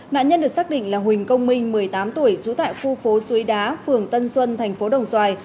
nạn nhân được xác định là huỳnh công minh một mươi tám tuổi trú tại khu phố suối đá phường tân xuân thành phố đồng xoài